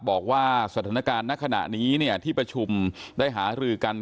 บอกว่าสถานการณ์ณขณะนี้ที่ประชุมได้หารือกัน